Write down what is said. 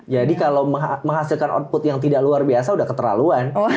jadi kalau menghasilkan output yang tidak luar biasa udah keterlaluan